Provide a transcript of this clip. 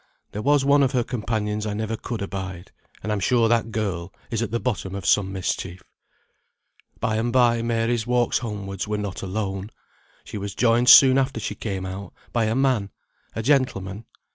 There was one of her companions I never could abide, and I'm sure that girl is at the bottom of some mischief. By and bye, Mary's walks homewards were not alone. She was joined soon after she came out, by a man; a gentleman.